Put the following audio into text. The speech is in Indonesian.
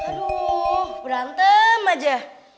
aduh berantem aja